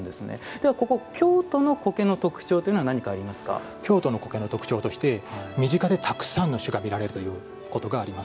では、ここ京都の苔の特徴というのは京都の苔の特徴として身近でたくさんの種が見られるということがあります。